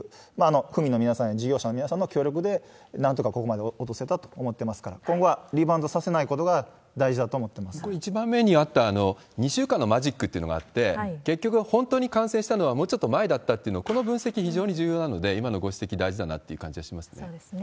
府民の皆さんや事業者の皆さんの協力でなんとかここまで落とせたと思ってますから、今後はリバウンドさせないことが大事だと思っこれ、１番目にあった２週間のマジックっていうのがあって、結局、本当に感染したのはもうちょっと前だったという、この分析、非常に重要なので、今のご指摘、そうですね。